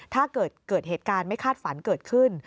ถ้าเกิดเกิดเหตุการณ์ไม่คาดฝันเกิดขึ้น